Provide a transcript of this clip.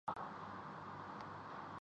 کہ نبی صلی اللہ علیہ وسلم نے فرمایا